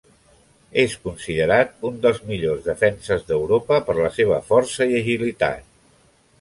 És considerat un dels millors defenses d'Europa per la seva força i agilitat.